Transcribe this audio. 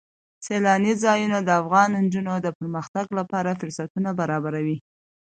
سیلانی ځایونه د افغان نجونو د پرمختګ لپاره فرصتونه برابروي.